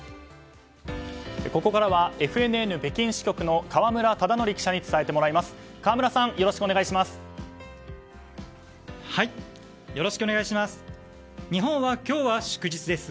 ここからは、ＦＮＮ北京支局の河村忠徳記者に伝えてもらいます。